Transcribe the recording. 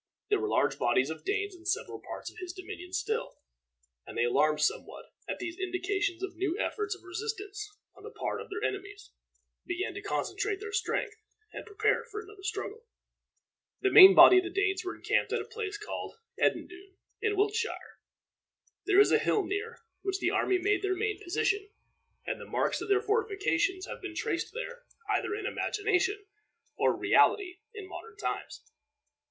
There were large bodies of Danes in several parts of his dominions still, and they, alarmed somewhat at these indications of new efforts of resistance on the part of their enemies, began to concentrate their strength and prepare for another struggle. The main body of the Danes were encamped at a place called Edendune, in Wiltshire. There is a hill near, which the army made their main position, and the marks of their fortifications have been traced there, either in imagination or reality, in modern times.